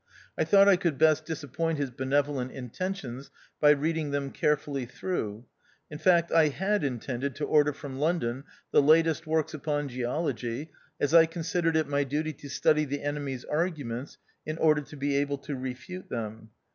I thought I could best dis appoint his benevolent intentions by read ing them carefully through ; in fact, I had intended to order from London the latest works upon geology, as I considered it my duty to study the enemy's arguments in order to be able to refute them.